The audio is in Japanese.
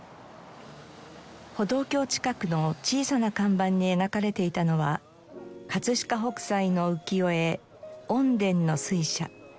歩道橋近くの小さな看板に描かれていたのは飾北斎の浮世絵『穏田の水車』。